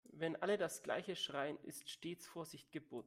Wenn alle das gleiche schreien, ist stets Vorsicht geboten.